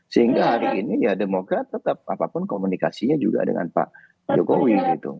sehingga hari ini ya demokrat tetap apapun komunikasinya juga dengan pak jokowi gitu